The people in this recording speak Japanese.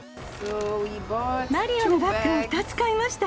マリオのバッグを２つ買いました。